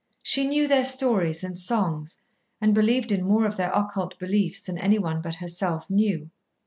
She knew their stories and songs, and believed in more of their occult beliefs than any but herself knew.